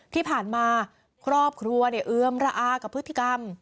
ที่ผ่านมาครอบครัวเนี่ยเอือมระอากับพฤติกรรม